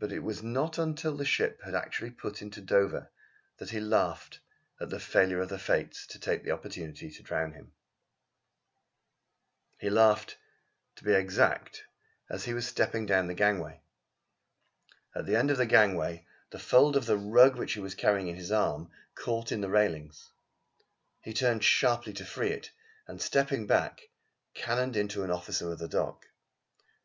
But it was not until the ship had actually put into Dover that he laughed at the failure of the Fates to take the opportunity to drown him. He laughed, to be exact, as he was stepping down the gangway. At the end of the gangway the fold of the rug which he was carrying on his arm, caught in the railings. He turned sharply to free it and stepping back, cannoned into an officer of the dock.